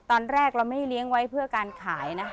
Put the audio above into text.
ตอนแรกเราไม่เลี้ยงไว้เพื่อการขายนะ